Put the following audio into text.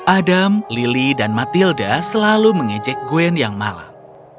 adam lili dan matilda selalu mengejek gwen yang malang